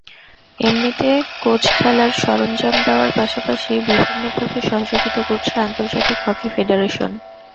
এমনিতে কোচ-খেলার সরঞ্জাম দেওয়ার পাশাপাশি বিভিন্নভাবে সহযোগিতা করছে আন্তর্জাতিক হকি ফেডারেশন।